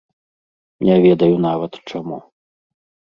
Не ведаю нават, чаму.